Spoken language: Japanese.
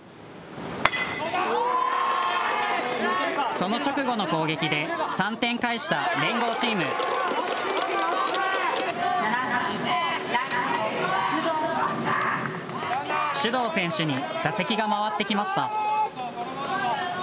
その直後の攻撃で３点返したところで首藤選手に打席が回ってきました。